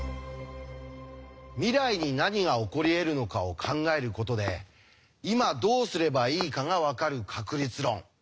未来に何が起こりえるのかを考えることで今どうすればいいかが分かる確率論。